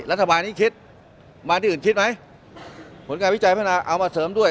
รัฐบาลนี้คิดมาที่อื่นคิดไหมผลการวิจัยพัฒนาเอามาเสริมด้วย